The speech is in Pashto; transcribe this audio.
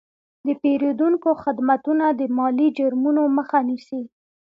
د پیرودونکو خدمتونه د مالي جرمونو مخه نیسي.